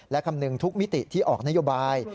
และคำนึงทุกมิติที่ออกนโยบาย